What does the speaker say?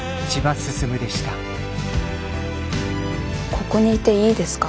ここにいていいですか？